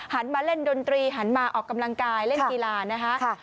มาเล่นดนตรีหันมาออกกำลังกายเล่นกีฬานะคะ